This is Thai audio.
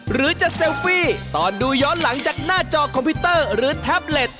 หรือจะเซลฟี่ตอนดูย้อนหลังจากหน้าจอคอมพิวเตอร์หรือแท็บเล็ต